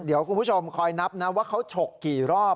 เดี๋ยวคุณผู้ชมคอยนับนะว่าเขาฉกกี่รอบ